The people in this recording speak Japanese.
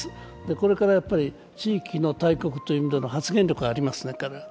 これから地域の大国という意味での発言力がありますね、彼は。